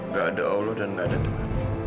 gak ada allah dan gak ada tuhan